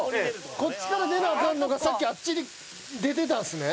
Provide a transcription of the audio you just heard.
こっちから出なアカンのがさっきあっちに出てたんですね。